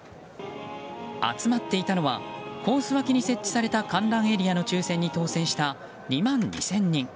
集まっていたのはコース脇に設置された観覧エリアの抽選に当選した、２万２０００人。